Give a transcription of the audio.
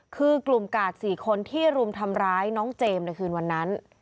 คือกลุ่มกาด๔คนที่รุมทำร้ายน้องเจมส์ในคืนวันนั้น